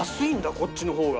こっちのほうが。